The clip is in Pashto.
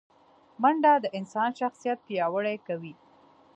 منډه د انسان شخصیت پیاوړی کوي